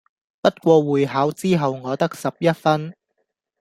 不過會考之後我得十一分⠀